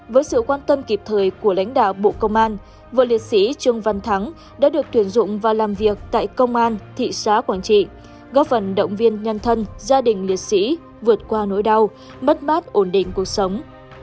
với sự quan tâm kịp thời của lãnh đạo bộ công an vợ liệt sĩ trương văn thắng đã được tuyển dụng và làm việc tại công an thị xã quảng trị góp phần động viên nhân thân gia đình liệt sĩ vượt qua nỗi đau mất mát ổn định cuộc sống